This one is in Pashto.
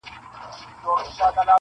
دنیا فاني ده بیا به وکړی ارمانونه-